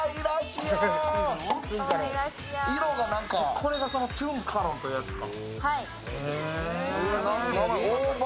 これがトゥンカロンというやつか。